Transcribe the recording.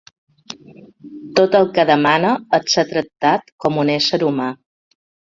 Tot el que demana és ser tractat com un ésser humà.